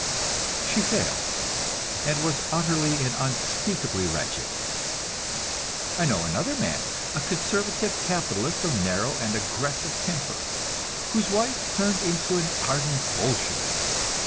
She failed, and was utterly and unspeakably wretched. I know another man, a conservative capitalist of narrow and aggressive temper, whose wife turned into an ardent Bolshevik.